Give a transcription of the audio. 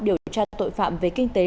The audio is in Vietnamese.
điều tra tội phạm về kinh tế